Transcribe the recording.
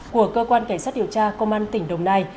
của cơ quan cảnh sát điều tra công an tỉnh đồng nai